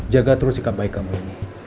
jaga terus sikap baik kamu ini